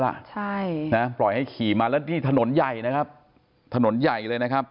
เราปล่อยให้ขี่มาแล้วนี่สิฟะถนนใหญ่